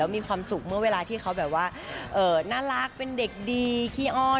มีความสุขเมื่อเวลาที่เขาแบบว่าน่ารักเป็นเด็กดีขี้อ้อน